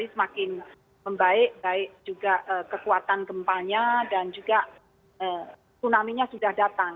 jadi semakin membaik baik juga kekuatan gempanya dan juga tsunami nya sudah datang